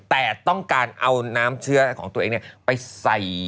แต่ต้องการเอาน้ำเชื้อของตัวเองไปใส่